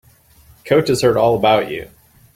Coach has heard all about you.